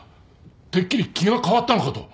てっきり気が変わったのかと。